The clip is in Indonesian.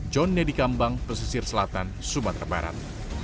john nedi kambang pesisir selatan sumatera barat